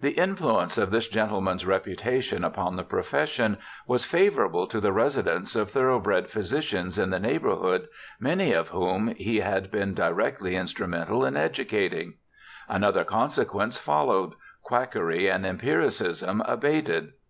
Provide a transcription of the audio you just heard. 'The influence of this gentleman's reputation upon the profession was favourable to the residence of thoroughbred physicians in the neighbourhood, many of whom he had been directly instrumental in educating; another consequence followed: (quackery and empiricism abated.